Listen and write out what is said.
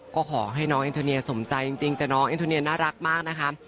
ก็ขอให้น้องอินโทเนียสมใจจริงแต่น้องเอ็นโทเนียน่ารักมากนะคะ